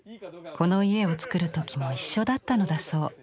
この家を造る時も一緒だったのだそう。